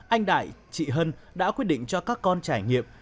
anh đại chị hân đã quyết định cho các con trải nghiệm